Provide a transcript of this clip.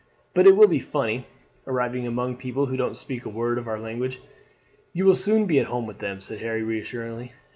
But it will be funny, arriving among people who don't speak a word of our language." "You will soon be at home with them," said Harry reassuringly.